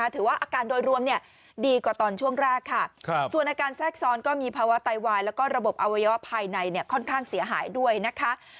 ถือว่าอาการโดยรวมดีกว่าตอนช่วงแรกค่ะส่วนอาการแทรกซ้อนก็มีภาวะไตวายแล้วก็ระบบอวัยวะภายในค่อนข้างเสียหายด้วยนะคะ